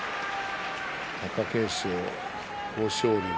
貴景勝、豊昇龍。